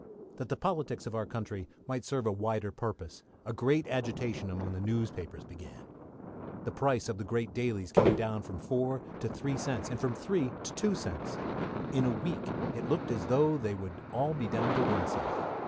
That the politics of our country might serve a wider purpose, a great agitation among the newspapers began. The price of the great dailies came down from four to three cents, and from three to two cents. In a week it looked as though they would all be down to one cent.